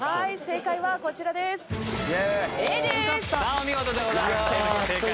お見事でございました。